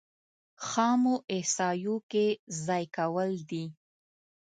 خامو احصایو کې ځای کول دي.